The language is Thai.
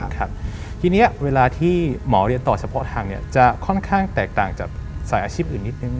ทีนี้เวลาที่หมอเรียนต่อเฉพาะทางเนี่ยจะค่อนข้างแตกต่างจากสายอาชีพอื่นนิดนึง